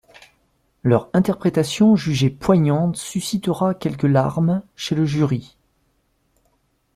Leur interprétation jugée poignante suscitera quelques larmes chez le jury.